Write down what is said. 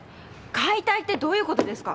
解体ってどういうことですか！？